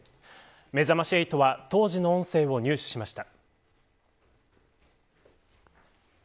めざまし８は当時の音声を入手しました。